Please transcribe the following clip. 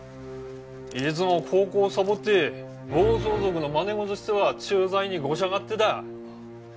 いつも高校さぼって暴走族の真似事しては駐在にごしゃかってた。